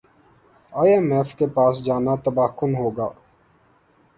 ئی M F کے پاس جانا تباہ کن ہوگا